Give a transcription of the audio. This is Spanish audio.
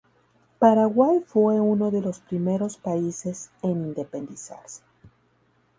Paraguay fue uno de los primeros países en independizarse.